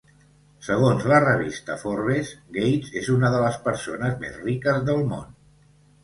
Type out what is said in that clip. Segons la revista Forbes, Gates és una de les persones més riques del món.